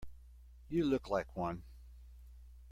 You look like one.